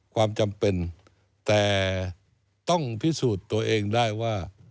ความจำเป็นแต่ต้องพิสูจน์ตัวเองได้ว่า